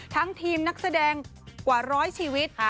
ทั้งทีมนักแสดงกว่าร้อยชีวิต